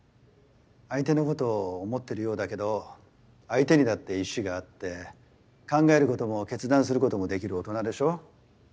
相手のことを思ってるようだけど相手にだって意思があって考えることも決断することもできる大人でしょ。